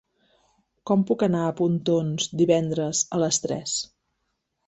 Com puc anar a Pontons divendres a les tres?